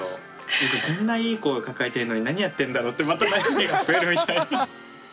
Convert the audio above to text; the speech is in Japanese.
僕こんないい子を抱えてるのに何やってるんだろうってまた悩みが増えるみたいな。